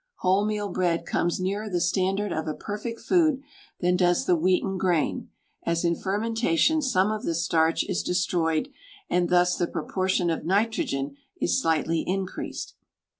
Wholemeal bread comes nearer the standard of a perfect food than does the wheaten grain, as in fermentation some of the starch is destroyed, and thus the proportion of nitrogen is slightly increased.